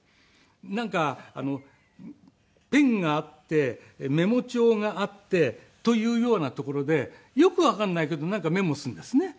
なんかペンがあってメモ帳があってというような所でよくわからないけどなんかメモするんですね。